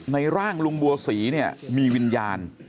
ในร่างลุงบัวศรีมีวิญญาณ